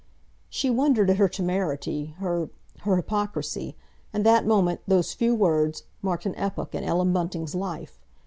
She wondered at her temerity, her—her hypocrisy, and that moment, those few words, marked an epoch in Ellen Bunting's life.